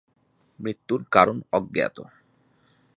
মৃত্যুর কারণ অজ্ঞাত।